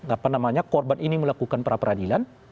apa namanya korban ini melakukan perapradilan